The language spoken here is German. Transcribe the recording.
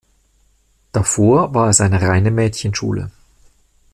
Davor war es eine reine Mädchenschule.